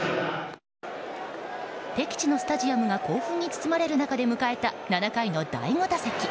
敵地のスタジアムが興奮に包まれる中で７回の第５打席。